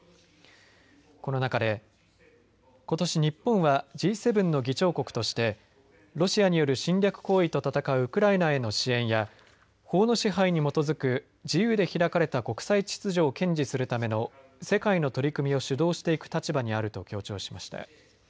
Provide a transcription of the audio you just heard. この中で、ことし日本はＧ７の議長国としてロシアによる侵略行為と戦うウクライナへの支援や法の支配に基づく自由で開かれた国際秩序を堅持するための世界の取り組みを主導していく立場にあると強調しました。